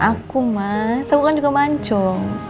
aku mah aku kan juga mancung